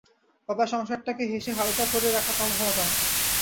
বাবা, সংসারটাকে হেসে হালকা করে রাখা কম ক্ষমতা নয়।